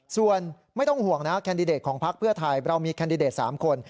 ส่วนไม่ต้องห่วงนะแคนดิเดตของพักเพื่อไทยเรามีแคนดิเดต๓คน